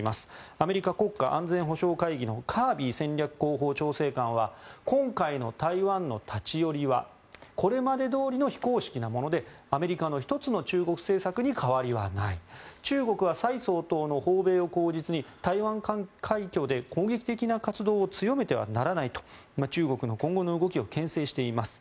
アメリカ国家安全保障会議のカービー戦略広報調整官は今回の台湾の立ち寄りはこれまでどおりの非公式なものでアメリカの一つの中国政策に変わりはない中国は蔡総統の訪米を口実に台湾海峡で攻撃的な活動を強めてはならないと中国の今後の動きをけん制しています。